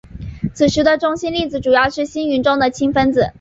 此时的中性粒子主要是星云中的氢分子。